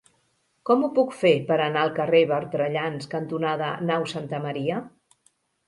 Com ho puc fer per anar al carrer Bertrellans cantonada Nau Santa Maria?